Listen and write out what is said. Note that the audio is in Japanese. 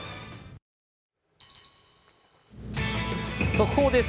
速報です。